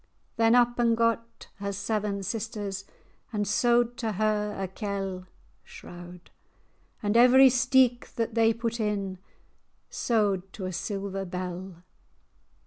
[#] oak. Then up and gat her seven sisters, And sewed to her a kell,[#] And every steek[#] that they put in Sewed to a siller bell.